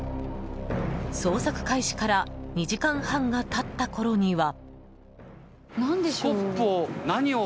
捜索開始から２時間半が経ったころには。